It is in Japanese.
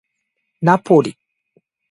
ナポリ